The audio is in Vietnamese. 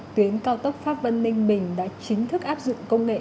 tuyến cao tốc pháp vân ninh bình đã chính thức áp dụng công nghệ